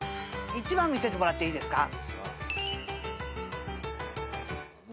１番見せてもらっていいですか？